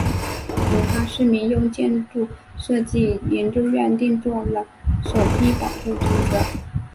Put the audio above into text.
武汉市民用建筑设计研究院定做了首批保护图则。